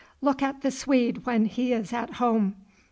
'Look at the Swede when he is at home.